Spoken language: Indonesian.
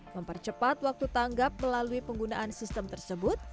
mempercepat waktu tanggap melalui penggunaan sistem tersebut